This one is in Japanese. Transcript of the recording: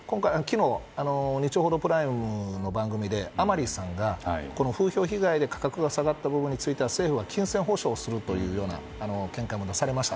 日曜の「ＰＲＩＭＥ」の番組で甘利さんが、風評被害で価格が下がった分については政府は補償をするという見解も出されました。